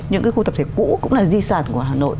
những cái khu tập thể cũ cũng là di sản của hà nội